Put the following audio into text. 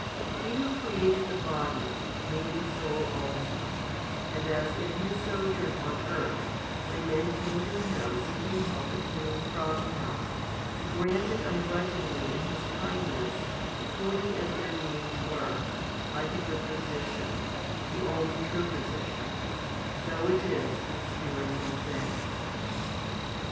He who created the body, made the soul also ; and as in His sojourn on earth, when men came to Him seeking help and healing from Him, He granted un grudgingly in His kindness according as their needs were, like a good physician, the only true physician, so is it with spiritual things.